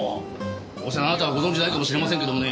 どうせあなたはご存じないかもしれませんけどね